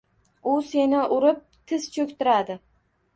U seni urib tiz cho’ktiradi.